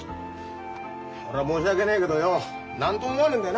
俺は申し訳ねえけどよ何とも思わねんだよな